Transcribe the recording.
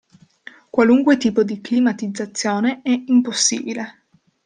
Qualunque tipo di climatizzazione è impossibile.